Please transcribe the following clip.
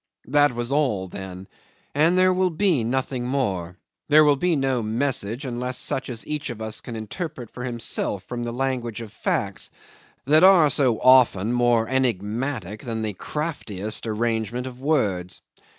That was all then and there will be nothing more; there will be no message, unless such as each of us can interpret for himself from the language of facts, that are so often more enigmatic than the craftiest arrangement of words.